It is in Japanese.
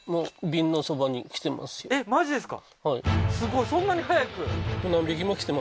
えっマジですか？